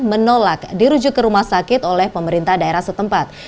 menolak dirujuk ke rumah sakit oleh pemerintah daerah setempat